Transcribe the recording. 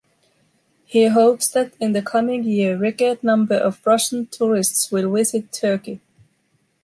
He hopes that in the coming year record number of Russian tourists will visit Turkey.